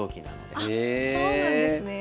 あっそうなんですね。